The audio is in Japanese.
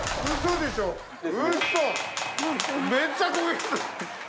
めっちゃ攻撃。